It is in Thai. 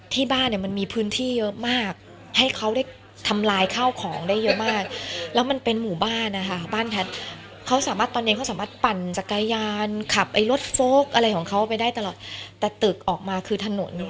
แต่ตึกออกมาคือถนน